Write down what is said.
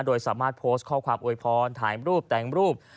โดยสามารถโพสต์ข้อความอวยพรถ่ายรูปแต่งรูป